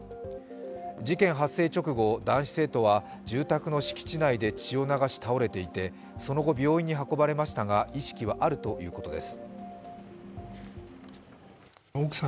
事件発生直後男子生徒は住宅の敷地内で血を流し倒れていて、その後病院に運ばれましたが意識はあるということです。